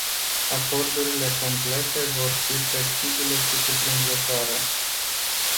Acordurile complete vor fi flexibile și cuprinzătoare.